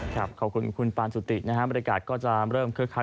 ขอบคุณคุณปานสุติบริการก็จะเริ่มเคิดขัด